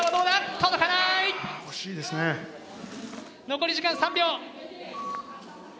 残り時間３秒。